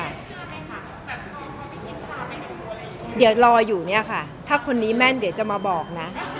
แบบพอไม่คิดความไม่ได้ดูอะไรอย่างเงี้ยเดี๋ยวรออยู่เนี่ยค่ะถ้าคนนี้แม่นเดี๋ยวจะมาบอกนะ